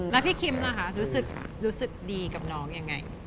แล้วพี่คิมล่ะคะรู้สึกดีกับน้องยังไง